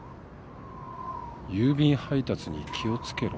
「郵便配達に気をつけろ！」。